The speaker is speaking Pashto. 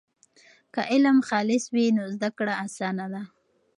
که علم خالص وي نو زده کړه اسانه ده.